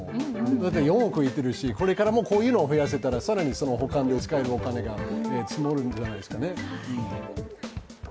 だって４億いってるし、これからもこういうの増やしたら、更に他に使えるお金が積もるんじゃないですかね。